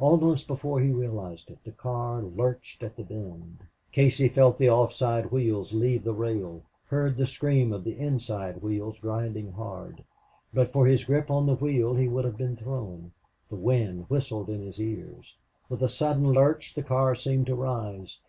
Almost before he realized it the car lurched at the bend. Casey felt the off side wheels leave the rail, heard the scream of the inside wheels grinding hard. But for his grip on the wheel he would have been thrown. The wind whistled in his ears. With a sudden lurch the car seemed to rise.